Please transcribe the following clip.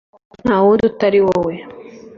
nta wundi utari wowe